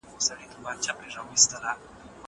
زه به اوږده موده ليکنه کړې وم!!